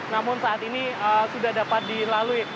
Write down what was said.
namun saat ini sudah dapat dilalui